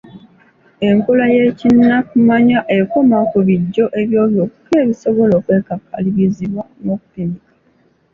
Enkola y’ekinnakumanya ekoma ku bijjo ebyo byokka ebisobola okwekakalirizibwa n’okupimika.